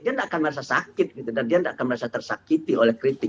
dia tidak akan merasa sakit gitu dan dia tidak akan merasa tersakiti oleh kritik